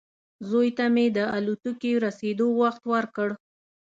زوی ته مې د الوتکې رسېدو وخت ورکړ.